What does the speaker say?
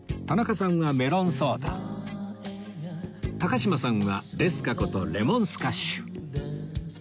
田中さんはメロンソーダ高島さんはレスカことレモンスカッシュ